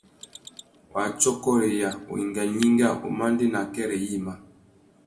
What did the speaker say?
Wātsôkôreya, wenga gnïnga, umandēna akêrê yïmá.